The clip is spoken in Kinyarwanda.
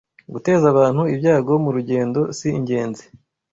Guteza abantu ibyago mu rugendo si ingenzi